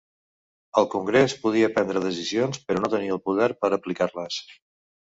El Congrés podia prendre decisions, però no tenia el poder per a aplicar-les.